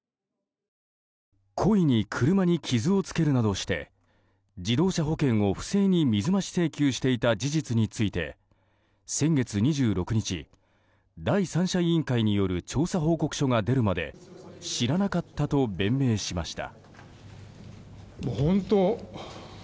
故意に車に傷をつけるなどして自動車保険を、不正に水増し請求していた事実について先月２６日、第三者委員会による調査報告書が出るまで知らなかったと弁明しました。